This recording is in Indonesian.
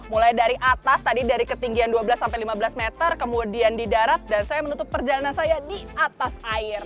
mulai dari atas tadi dari ketinggian dua belas sampai lima belas meter kemudian di darat dan saya menutup perjalanan saya di atas air